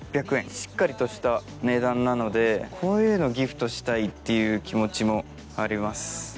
しっかりとした値段なのでこういうのギフトしたいっていう気持ちもあります。